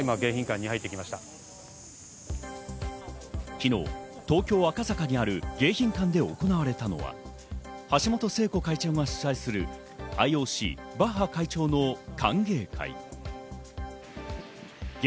昨日、東京・赤坂にある迎賓館で行われたのは橋本聖子会長が主催するＩＯＣ・バッハ会長の歓迎会。